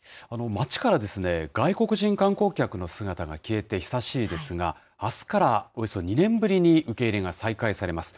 街から外国人観光客の姿が消えて久しいですが、あすから、およそ２年ぶりに受け入れが再開されます。